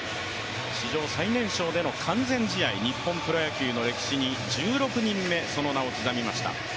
史上最年少での完全試合、日本プロ野球の歴史に１６人目、その名を刻みました。